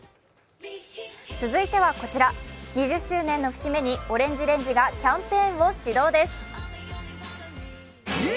続いてはこちら、２０周年の節目にＯＲＡＮＧＥＲＡＮＧＥがキャンペーンを始動です。